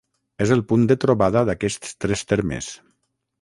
És el punt de trobada d'aquests tres termes.